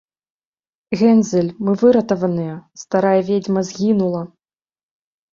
- Гензель, мы выратаваныя: старая ведзьма згінула!